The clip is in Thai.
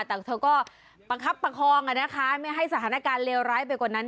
แต่เธอก็ประคับประคองอ่ะนะคะไม่ให้สถานการณ์เลวร้ายไปกว่านั้น